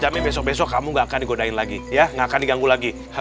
kami besok besok kamu gak akan digodain lagi ya nggak akan diganggu lagi